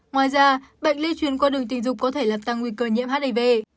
ngoài ra bệnh lây truyền qua đường tình dục có thể làm tăng nguy cơ nhiễm hiv